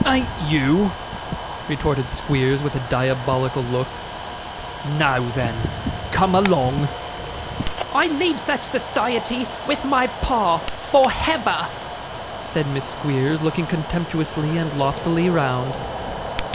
'Ain't you!' retorted Squeers, with a diabolical look. 'Now then, come along.' 'I leave such society, with my pa, for Hever,' said Miss Squeers, looking contemptuously and loftily round.